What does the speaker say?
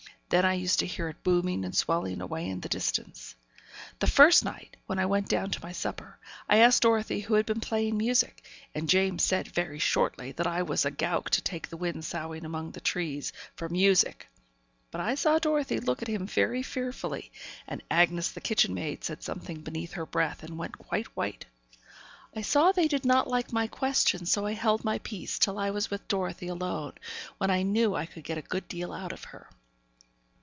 Then I used to hear it booming and swelling away in the distance. The first night, when I went down to my supper, I asked Dorothy who had been playing music, and James said very shortly that I was a gowk to take the wind soughing among the trees for music; but I saw Dorothy look at him very fearfully, and Bessy, the kitchen maid, said something beneath her breath, and went quite white. I saw they did not like my question, so I held my peace till I was with Dorothy alone, when I knew I could get a good deal out of her.